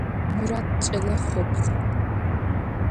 Мурат кӏэлэ хъупхъ.